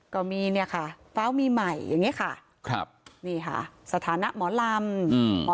ก็มีเนี่ยค่ะฟ้ามีใหม่อย่างเงี้ยค่ะครับนี่ค่ะสถานะหมอลำอืม